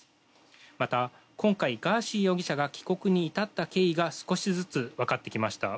また、今回、ガーシー容疑者が帰国に至った経緯が少しずつわかってきました。